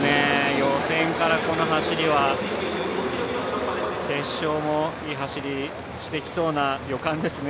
予選からこの走りは決勝もいい走りしてきそうな予感ですね。